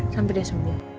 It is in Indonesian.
sampai dia sembuh